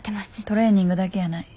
トレーニングだけやない。